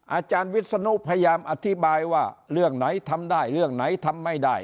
อาจารย์วิศนุพยายามอธิบายว่าเรื่องไหนทำได้เรื่องไหนทำไม่ได้